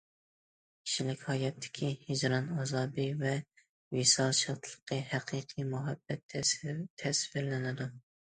كىشىلىك ھاياتتىكى ھىجران ئازابى ۋە ۋىسال شادلىقى، ھەقىقىي مۇھەببەت تەسۋىرلىنىدۇ.